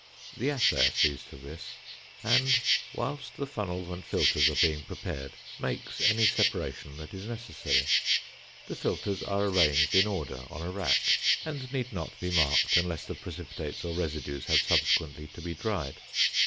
The assayer sees to this and (whilst the funnels and filters are being prepared) makes any separation that is necessary. The filters are arranged in order on a rack (fig. 11), and need not be marked unless the precipitates or residues have subsequently to be dried.